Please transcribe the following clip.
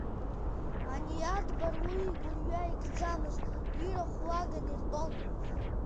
Ани Адбар уи игәырҩа икӡымызт, ирахә лаган иртәон.